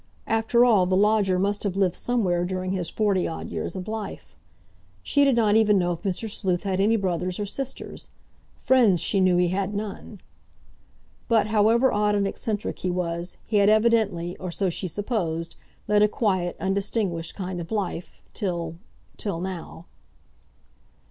After all, the lodger must have lived somewhere during his forty odd years of life. She did not even know if Mr. Sleuth had any brothers or sisters; friends she knew he had none. But, however odd and eccentric he was, he had evidently, or so she supposed, led a quiet, undistinguished kind of life, till—till now.